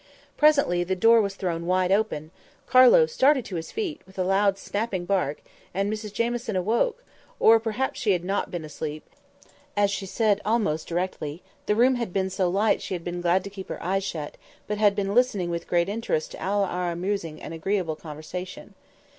Presently the door was thrown wide open; Carlo started to his feet, with a loud snapping bark, and Mrs Jamieson awoke: or, perhaps, she had not been asleep—as she said almost directly, the room had been so light she had been glad to keep her eyes shut, but had been listening with great interest to all our amusing and agreeable conversation.